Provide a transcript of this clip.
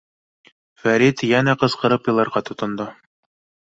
— Фәрит йәнә ҡысҡырып иларға тотондо.